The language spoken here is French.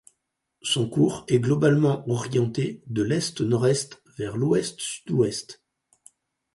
Son cours est globalement orienté de l'est-nord-est vers l'ouest-sud-ouest.